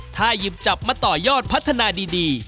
ถ้าหยิบจับมาต่อยอดพัฒนาดี